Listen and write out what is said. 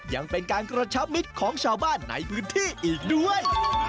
ยังเป็นการกระชับมิตรของชาวบ้านในพื้นที่อีกด้วย